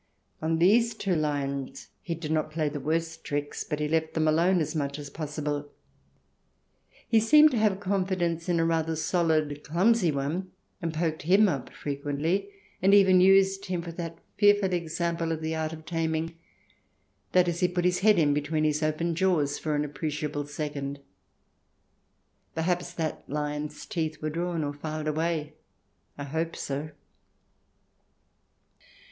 On these two lions he did not play the worst tricks, but left them alone as much as possible. He seemed to have confidence in a rather solid clumsy one, and poked him up frequently, and even used him for that fearful example of the art of taming — that is, he put his head in between his open jaws for an appreciable second. Perhaps that lion's teeth were drawn or filed away ; I hope so.